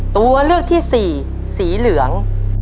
ตัวเลือกที่สี่สีเหลือง